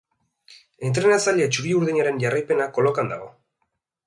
Entrenatzaile txuri-urdinaren jarraipena kolokan dago.